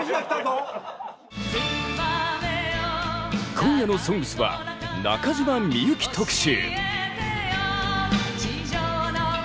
今夜の「ＳＯＮＧＳ」は中島みゆき特集。